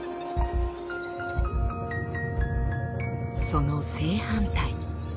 その正反対